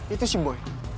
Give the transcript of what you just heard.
itu si boy